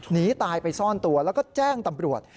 หนีตายไปซ่อนตัวแล้วก็แจ้งตำรวจ